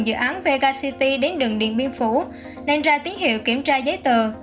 dự án vega city đến đường điện biên phủ nên ra tiếng hiệu kiểm tra giấy tờ